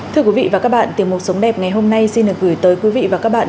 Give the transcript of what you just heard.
thưa quý vị và các bạn tiểu mục sống đẹp ngày hôm nay xin được gửi tới quý vị và các bạn